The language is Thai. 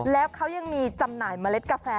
แล้วเขายังมีจำหน่ายเมล็ดกาแฟ